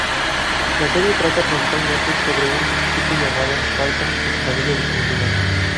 La serie trata principalmente sobre un chico llamado Malcolm y su familia disfuncional.